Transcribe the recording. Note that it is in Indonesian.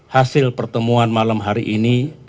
hasil pertemuan malam hari ini